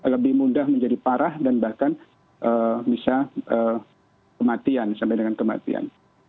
lebih mudah menjadi parah dan bahkan bisa kematian sampai dengan kematian